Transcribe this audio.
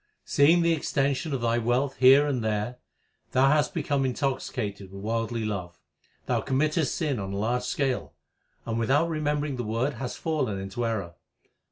Seeing the extension of thy wealth here and there, thou hast become intoxicated with worldly love. Thou commit test sin on a large scale, and without remembering the Word hast fallen into error.